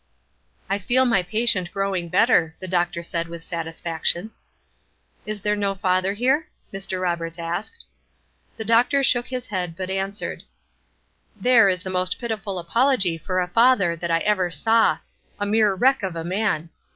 "I feel my patient growing better," the doctor said, with satisfaction. "Is there no father here?" Mr. Roberts asked. The doctor shook his head, but answered: "There is the most pitiful apology for a father that I ever saw, a mere wreck of a man!